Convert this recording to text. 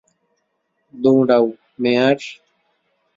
দৌড়ও, মেয়ার!